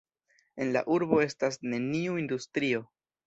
En la urbo estas neniu industrio.